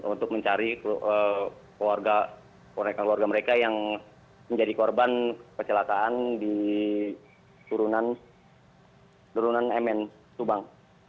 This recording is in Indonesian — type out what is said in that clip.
untuk mencari keluarga mereka yang menjadi korban kecelakaan di turunan mn subang